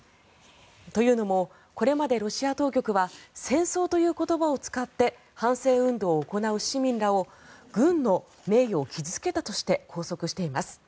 というのもこれまでロシア当局は戦争という言葉を使って反戦運動を行う市民らを軍の名誉を傷付けたとして拘束しています。